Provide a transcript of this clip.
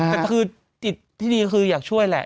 แต่คือจิตที่ดีคืออยากช่วยแหละ